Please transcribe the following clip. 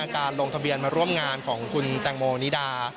อยากจะมาร่วมงานของคุณแตงโมนีดา